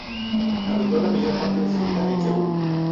Habitó la mayor parte de su vida en Seúl.